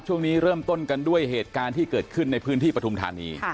ช่วงนี้เริ่มต้นกันด้วยเหตุการณ์ที่เกิดขึ้นในพื้นที่ปฐุมธานี